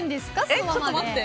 そのままで。